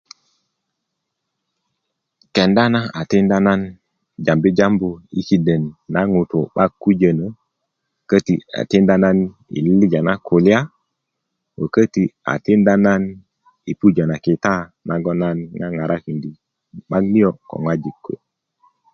kenda na a tikinda nan jambi' jambu yi kiden ma ŋutuu 'bak kujönö köti' a tinda nan yi lilija na kulya köti' a tinda nan kita naŋ nan ŋarakinda 'baŋ niyo' ko ŋojik kuwe'